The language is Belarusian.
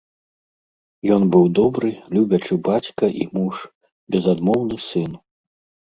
Ён быў добры, любячы бацька і муж, безадмоўны сын.